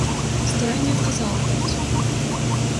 Старая не адказала адразу.